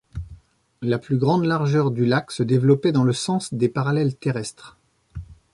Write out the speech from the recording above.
La plus grande largeur du lac se développait dans le sens des parallèles terrestres.